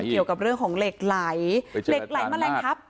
ข้อมูลเกี่ยวกับเรื่องของเหล็กไหล่เหล็กไหล่มะเร็งครับ